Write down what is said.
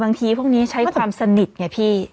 พวกนี้ใช้ความสนิทไงพี่